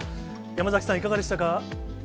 山崎さん、いかがでしたか。